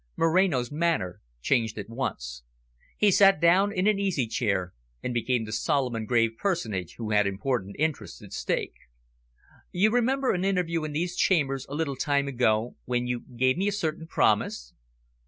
Moreno's manner changed at once. He sat down in an easy chair and became the solemn and grave personage who had important interests at stake. "You remember an interview in these chambers a little time ago, when you gave me a certain promise?"